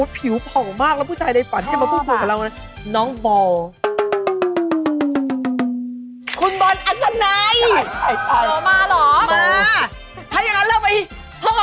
คุณว่าผู้ชายที่มาออกรายการเรา